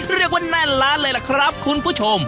เรียกว่าแน่นร้านเลยแหละครับคุณผู้ชม